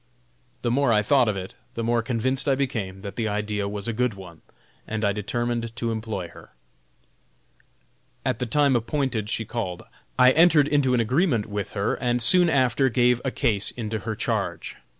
The more I thought of it, the more convinced I became that the idea was a good one, and I determined to employ her. At the time appointed she called. I entered into an agreement with her, and soon after gave a case into her charge.